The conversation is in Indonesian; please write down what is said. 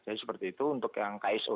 jadi seperti itu untuk yang kso